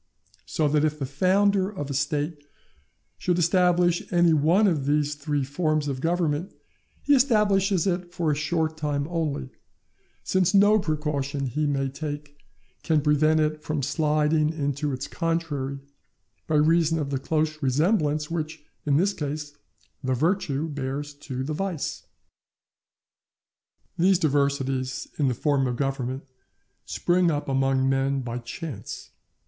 So that if the founder of a State should establish any one of these three forms of Government, he establishes it for a short time only, since no precaution he may take can prevent it from sliding into its contrary, by reason of the close resemblance which, in this case, the virtue bears to the vice. These diversities in the form of Government spring up among men by chance.